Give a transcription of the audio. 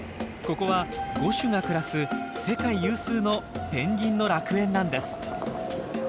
ここは５種が暮らす世界有数のペンギンの楽園なんです。